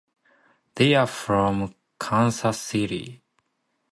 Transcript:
They're from Kansas City.